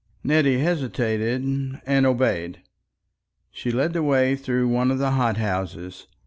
Nettie hesitated and obeyed. She led the way through one of the hot houses.